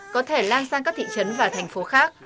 có thể lan sang các thị trấn và thành phố khác